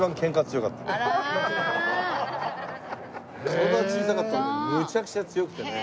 体小さかったけどむちゃくちゃ強くてね。